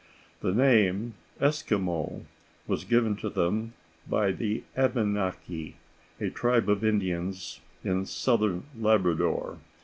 The name "Eskimo" was given to them by the Abenaki, a tribe of Indians in southern Labrador.